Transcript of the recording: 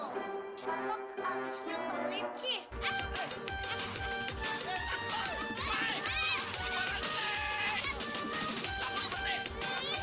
kok kok abisnya pelinci